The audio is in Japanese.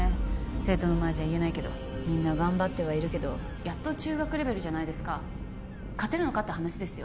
生徒の前じゃ言えないけどみんな頑張ってはいるけどやっと中学レベルじゃないですか勝てるのかって話ですよ